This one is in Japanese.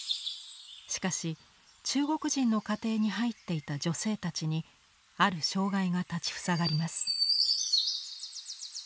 しかし中国人の家庭に入っていた女性たちにある障害が立ち塞がります。